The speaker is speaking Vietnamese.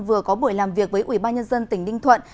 vừa có buổi làm việc với ủy ban nhân dân tỉnh ninh thuận